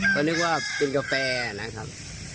ก็นึกว่าเป็นกาแฟนะครับ